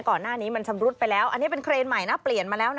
ก่อนหน้านี้มันชำรุดไปแล้วอันนี้เป็นเครนใหม่นะเปลี่ยนมาแล้วนะ